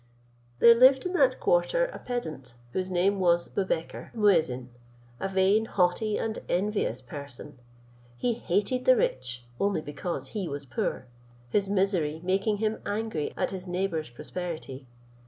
There lived in that quarter a pedant, whose name was Boubekir Muezin, a vain, haughty, and envious person: he hated the rich, only because he was poor, his misery making him angry at his neighbour's prosperity.